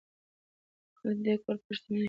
خلک د دې کور پر شتمنۍ حیران دي.